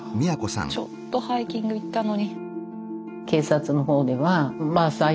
ちょっとハイキング行ったのに。